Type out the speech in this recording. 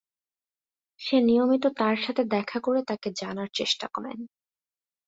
সে নিয়মিত তার সাথে দেখা করে তাকে জানার চেষ্টা করেন।